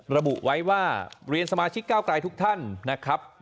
ระบุไว้ว่าเรียนสมาชิกเก้าไกลทุกท่านนะครับ